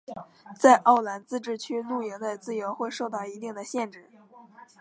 在奥兰自治区露营的自由会受到一定的限制。